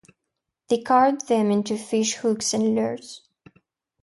They carved them into fish hooks and lures.